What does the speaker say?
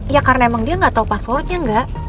ya karena emang dia nggak tahu passwordnya enggak